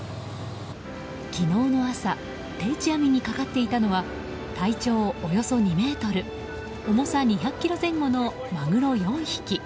昨日の朝定置網にかかっていたのは体長およそ２ｍ重さ２００ｋｇ前後のマグロ４匹。